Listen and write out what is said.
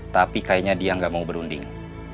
tapi kayaknya dia nggak mau berunding